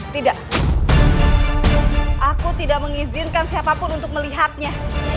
tidak aku tidak mengizinkan siapapun untuk melihatnya